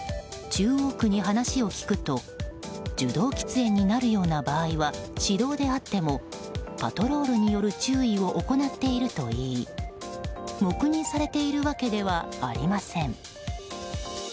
中央区に話を聞くと受動喫煙になるような場合は私道であってもパトロールによる注意を行っているといい黙認されているわけではありません。